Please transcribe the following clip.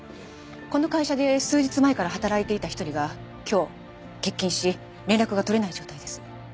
この会社で数日前から働いていた一人が今日欠勤し連絡が取れない状態です。